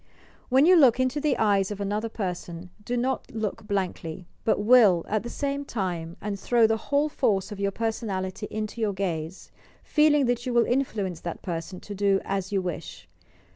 When you look into the eyes of another person, do not look blankly, but will at the same time, and tbrow the whole force of your personality into your gaze,— feeling that you wiil influence that person to do as you wish.